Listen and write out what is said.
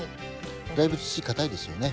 だいぶ土かたいですよね？